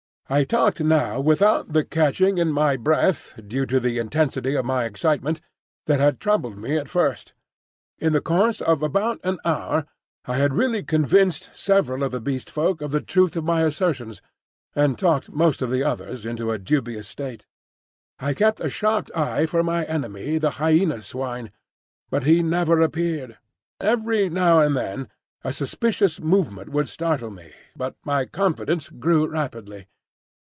I talked now without the catching in my breath, due to the intensity of my excitement, that had troubled me at first. In the course of about an hour I had really convinced several of the Beast Folk of the truth of my assertions, and talked most of the others into a dubious state. I kept a sharp eye for my enemy the Hyena swine, but he never appeared. Every now and then a suspicious movement would startle me, but my confidence grew rapidly.